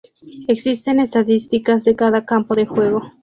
Existen estadísticas de cada campo de juego.